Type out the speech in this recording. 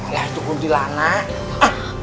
ya itu kuntilanak